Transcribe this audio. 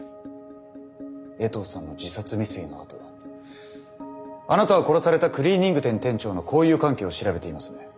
衛藤さんの自殺未遂のあとあなたは殺されたクリーニング店店長の交友関係を調べていますね。